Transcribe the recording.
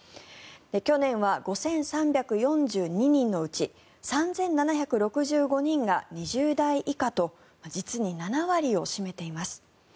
去年は５３４２人のうち３７６５人が２０代以下と実に７割を占めています。